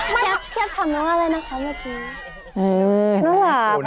เทียบบางท่ามน๊ะว่าอะไรนะครับเมื่อกี้เออน้องหนาวน้องหนาวหรอรุ้น